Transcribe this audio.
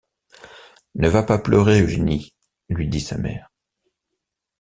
Ne va pas pleurer, Eugénie, lui dit sa mère.